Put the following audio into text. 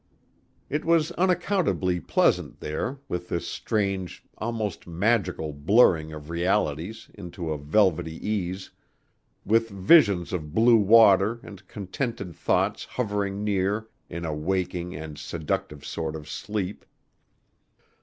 It was unaccountably pleasant there, with this strange, almost magical blurring of realities into a velvety ease ... with visions of blue water and contented thoughts hovering near in a waking and seductive sort of sleep.